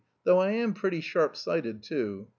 though I am pretty sharp sighted too.